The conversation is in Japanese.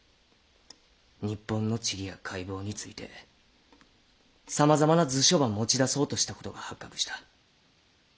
日本の地理や海防についてさまざまな図書ば持ち出そうとしたことが発覚した。